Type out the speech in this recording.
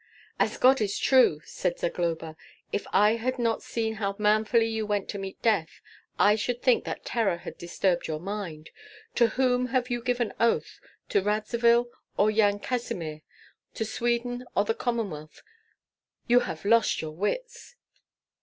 "As God is true!" said Zagloba, "if I had not seen how manfully you went to meet death, I should think that terror had disturbed your mind. To whom have you given oath, to Radzivill or Yan Kazimir, to Sweden or the Commonwealth? You have lost your wits!"